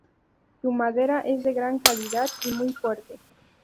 Su madera es de gran calidad y muy fuerte.